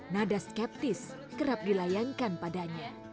nada skeptis kerap dilayangkan padanya